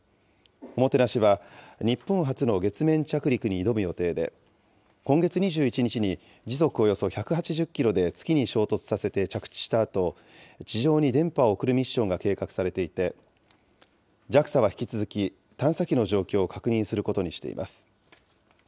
ＯＭＯＴＥＮＡＳＨＩは、日本初の月面着陸に挑む予定で、今月２１日に時速およそ１８０キロで月に衝突させて着地したあと、地上に電波を送るミッションが計画されていて、ＪＡＸＡは引き続き、探査機の状況を確認することにしています。